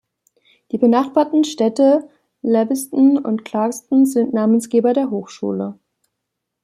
Die benachbarten Städte Lewiston und Clarkston sind Namensgeber der Hochschule.